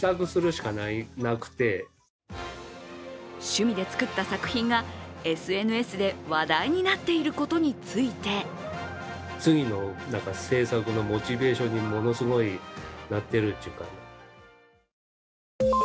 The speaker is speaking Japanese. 趣味で作った作品がＳＮＳで話題になっていることについて次の制作のモチベーションにものすごいなっているというか。